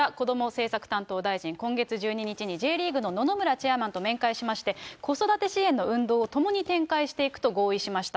政策担当大臣、今月１２日にＪリーグの野々村チェアマンと面会しまして、子育て支援の運動をともに展開していくと合意しました。